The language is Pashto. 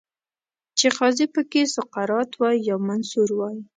چې قاضي پکې سقراط وای، یا منصور وای